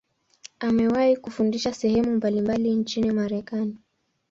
Amewahi kufundisha sehemu mbalimbali nchini Marekani.